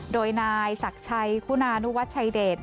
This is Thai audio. โดยนายศักดิ์ชัยคุณานุวัชชัยเดช